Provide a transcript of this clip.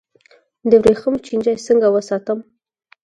د وریښمو چینجی څنګه وساتم؟